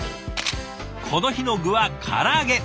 この日の具は唐揚げ。